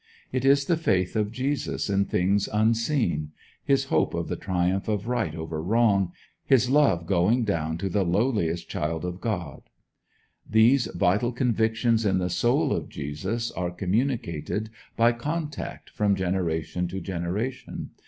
It is the faith of Jesus in things unseen; his hope of the triumph of right over wrong; his love going down to the lowliest child of God. These vital convictions in the soul of Jesus are communicated by contact from generation to generation.